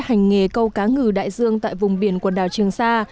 hành nghề câu cá ngừ đại dương tại vùng biển quần đảo trường sa